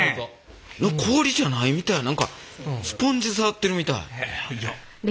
氷じゃないみたい何かスポンジ触ってるみたい。